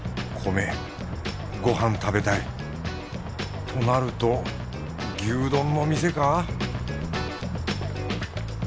米ご飯食べたい！となると牛丼の店か